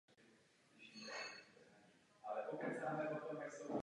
Jeho klid ale netrvá dlouho.